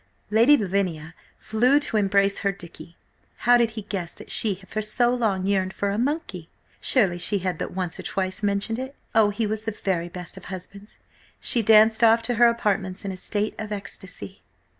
Lady Lavinia flew to embrace her Dicky. How did he guess that she had for so long yearned for a monkey? Surely she had but once or twice mentioned it? Oh, he was the very best of husbands! She danced off to her apartments in a state of ecstasy.